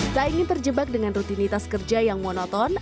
tak ingin terjebak dengan rutinitas kerja yang monoton